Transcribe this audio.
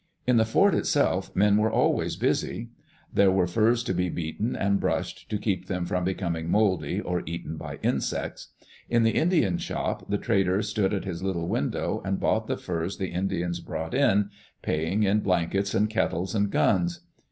In the fort itself men were always busy. There were furs to be beaten and brushed to keep them from becom ing mouldy, or eaten by insects. In the Indian shop, the trader stood at his little window and bought the furs the Indians brought in, paying in blankets and kettles and guns.